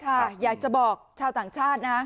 อยากจะบอกชาวต่างชาตินะ